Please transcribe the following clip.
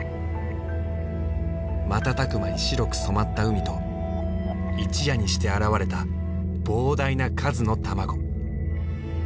瞬く間に白く染まった海と一夜にして現れた膨大な数の卵。